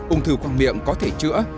ông thư khoang miệng có thể chữa